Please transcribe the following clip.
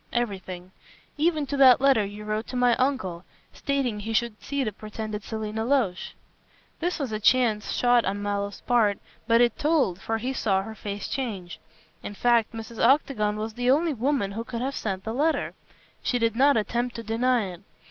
"Everything, even to that letter you wrote to my uncle, stating he should see the pretended Selina Loach." This was a chance shot on Mallow's part, but it told, for he saw her face change. In fact, Mrs. Octagon was the only woman who could have sent the letter. She did not attempt to deny it.